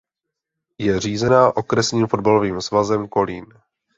Je řízena Okresním fotbalovým svazem Kolín.